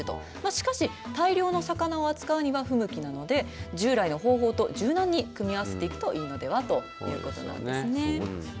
しかし大量の魚を扱うには不向きなので従来の方法と柔軟に組み合わせていくといいのではとおっしゃっているんですね。